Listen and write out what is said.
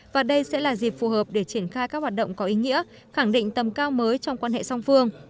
và đây sẽ là dịp phù hợp để triển khai các hoạt động có ý nghĩa khẳng định tầm cao mới trong quan hệ song phương